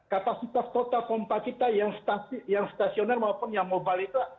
kapasitas total pompa kita yang stasioner maupun yang mobile itu